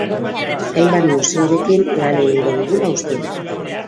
Hainbat museorekin lan egingo dugula uste dut.